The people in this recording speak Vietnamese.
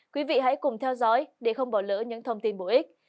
quý vị hãy cùng theo dõi để không bỏ lỡ những thông tin bổ ích